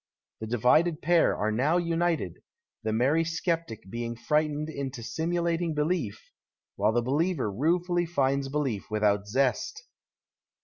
The divided pair are now united, the merry sceptic being frightened into sinuilating belief, while the believer ruefully finds belief without zest.